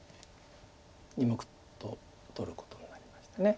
２目取ることになりました。